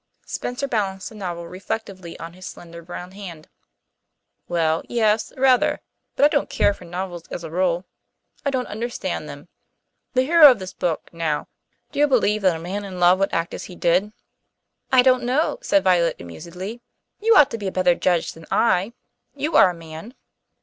Spencer balanced the novel reflectively on his slender brown hand. "Well, yes, rather. But I don't care for novels as a rule. I don't understand them. The hero of this book, now do you believe that a man in love would act as he did?" "I don't know," said Violet amusedly. "You ought to be a better judge than I. You are a man."